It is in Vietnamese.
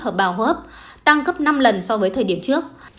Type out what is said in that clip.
hợp bào hô hấp tăng gấp năm lần so với thời điểm trước